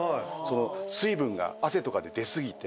水分が汗とかで出過ぎて。